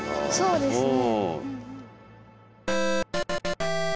そうですね。